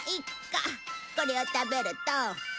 これを食べると。